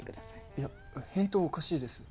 いや返答おかしいです。